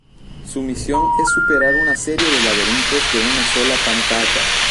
Su misión es superar una serie de laberintos de una sola pantalla.